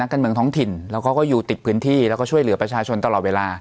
การเมืองท้องถิ่นแล้วเขาก็อยู่ติดพื้นที่แล้วก็ช่วยเหลือประชาชนตลอดเวลา